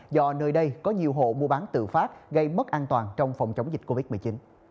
do nơi đây có nhiều hộ mua bán tự phát gây mất an toàn trong phòng chống dịch covid một mươi chín